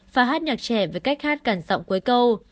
và hát nhạc trẻ với cách hát cẩn giọng cuối câu